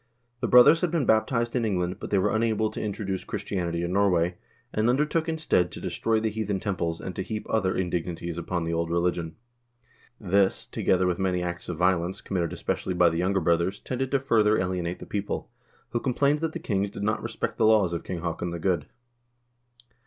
The brothers had been baptized in England, but they were unable to introduce Christianity in Norway, and undertook, instead, to destroy the heathen temples, and to heap other indignities upon the old religion. This, together with many acts of violence, committed especially by the younger brothers, tended to further alienate the people, who complained that the kings did not respect the laws of King Haakon the Good.